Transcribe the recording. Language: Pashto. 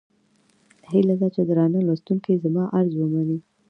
هيله ده چې درانه لوستونکي زما عرض ومني.